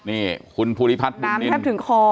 นี่คุณภูริพัฒน์ดุ่นนินน้ำแทบถึงคอ